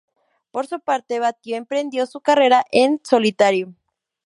Por su parte, Batio emprendió su carrera en solitario.